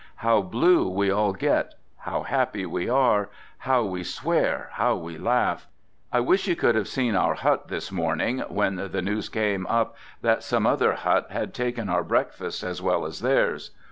How blue we all get. How happy we are, how we swear, how we laugh. I wish you could have seen our hut this morning, when the news came up that some other hut had taken our breakfast as well as theirs.